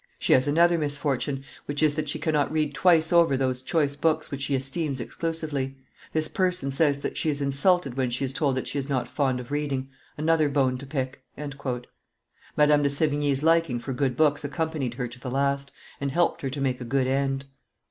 She has another misfortune, which is, that she cannot read twice over those choice books which she esteems exclusively. This person says that she is insulted when she is told that she is not fond of reading: another bone to pick." Madame de Sevigne's liking for good books accompanied her to the last, and helped her to make a good end.